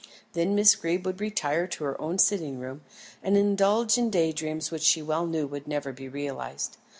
Then Miss Greeb would retire to her own sitting room and indulge in day dreams which she well knew would never be realised.